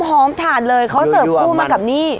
ถ่านเลยเขาเสิร์ฟคู่มากับนี่